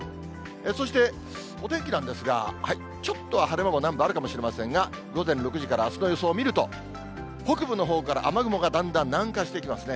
そして、お天気なんですが、ちょっとは晴れ間も南部、あるかもしれませんが、午前６時からあすの予想を見ると、北部のほうから雨雲がだんだん南下してきますね。